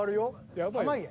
やばいよ。